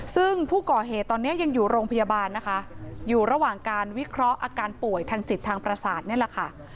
ซึ่งผู้ก่อเหตุตอนนี้ยังอยู่โรงพยาบาลนะคะอยู่ระหว่างการวิเคราะห์อาการป่วยทางจิตทางประสาทนี่แหละค่ะ